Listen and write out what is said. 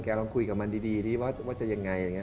แกลองคุยกับมันดีว่าจะยังไง